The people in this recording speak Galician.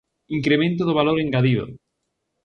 Incremento do valor engadido.